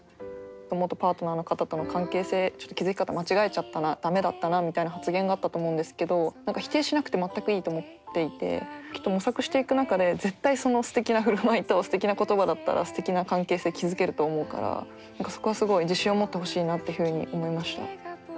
元パートナーの方との関係性ちょっと築き方を間違えちゃったな駄目だったなみたいな発言があったと思うんですけど否定しなくて全くいいと思っていてきっと模索していく中で絶対すてきな振る舞いとすてきな言葉だったらすてきな関係性築けると思うからそこはすごい自信を持ってほしいなっていうふうに思いました。